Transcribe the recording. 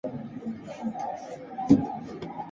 沃希托县是位于美国路易斯安那州北部的一个县。